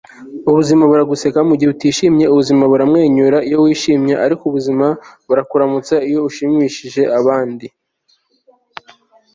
ubuzima buraguseka mugihe utishimye. ubuzima buramwenyura iyo wishimye. ariko, ubuzima burakuramutsa iyo ushimishije abandi. - charlie chaplin